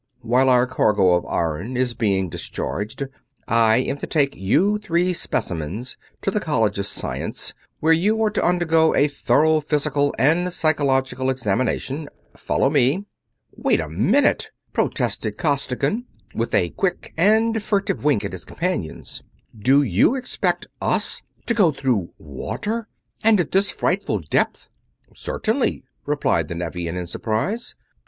"While our cargo of iron is being discharged, I am to take you three specimens to the College of Science, where you are to undergo a thorough physical and psychological examination. Follow me." "Wait a minute!" protested Costigan, with a quick and furtive wink at his companions. "Do you expect us to go through water, and at this frightful depth?" "Certainly," replied the Nevian, in surprise.